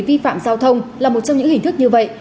vi phạm giao thông là một trong những hình thức như vậy